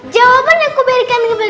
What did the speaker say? kenapa aku berikan kepada amalia